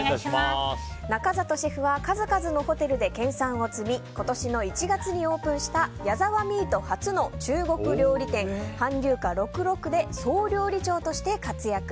中里シェフは数々のホテルで研さんを積み今年の１月にオープンしたヤザワミート初の中国料理店彬龍華６６で総料理長として活躍。